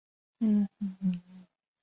第二丁卯是一艘日本海军军舰。